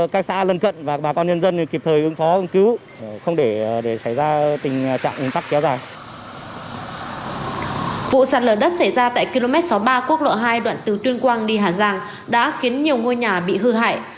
ba quốc lộ hai đoạn từ tuyên quang đi hà giang đã khiến nhiều ngôi nhà bị hư hại